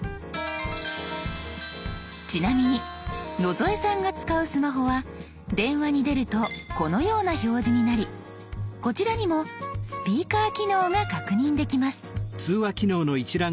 ちなみに野添さんが使うスマホは電話に出るとこのような表示になりこちらにもスピーカー機能が確認できます。